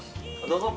どうぞ。